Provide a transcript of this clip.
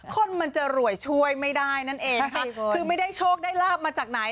คนมันจะรวยช่วยไม่ได้นั่นเองนะคะคือไม่ได้โชคได้ลาบมาจากไหน